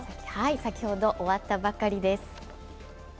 先ほど終わったばかりです。